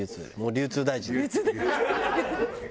流通大臣！